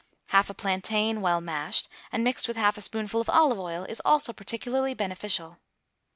Half a plantain well mashed and mixed with half a spoonful of olive oil is also particularly beneficial.